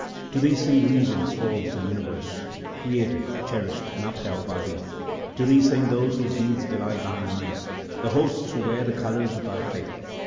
To Thee sing regions, orbs, and universe, Created, cherish d, and upheld by Thee ! To Thee sing those whose deeds delight Thine eye, The hosts who wear the colours of Thy faith.